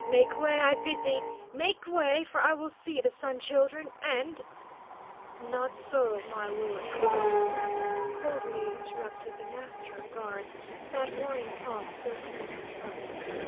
"Make way, I bid thee; make way, for I will see the Sun Children and " "Not so, my Lord Hua," coldly interrupted the master of guards, that warning palm still turned to the front.